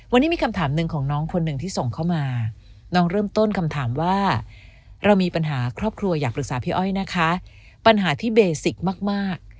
วันนี้มีคำถามหนึ่งของน้องคนหนึ่งที่ส่งเข้ามาน้องเริ่มต้นคำถามว่าเรามีปัญหาครอบครัวอยากปรึกษาพี่อ้อยนะคะปัญหาที่เบสิกมาก